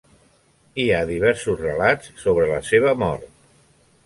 Hi ha diversos relats sobre la seva mort.